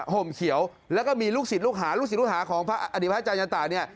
ห่มเขียวแล้วก็มีลูกศิษย์ลูกหาลูกศิษย์ลูกหาของพระอดีตพระอาจารยันตะเนี่ย